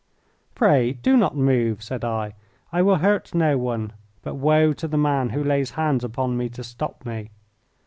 "Pray do not move," said I; "I will hurt no one, but woe to the man who lays hands upon me to stop me.